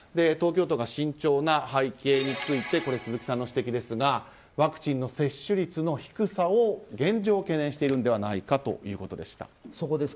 東京都が慎重な背景について鈴木さんの指摘ですがワクチンの接種率の低さを現状、懸念しているのではないかということでした。